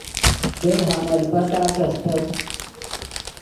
در حمل پتاک استت